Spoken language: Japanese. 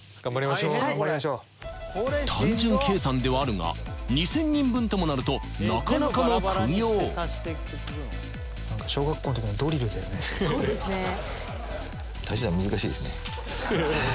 単純計算ではあるが２０００人分ともなるとなかなかの苦行そうですね。